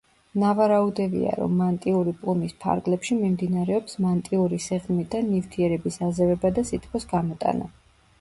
ნავარაუდევია, რომ მანტიური პლუმის ფარგლებში მიმდინარეობს მანტიური სიღრმიდან ნივთიერების აზევება და სითბოს გამოტანა.